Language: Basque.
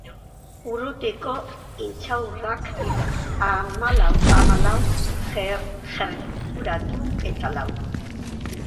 Urrutiko intxaurrak hamalau, gerturatu eta lau.